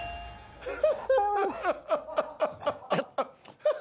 ハハハハ。